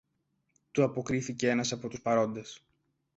του αποκρίθηκε ένας από τους παρόντες.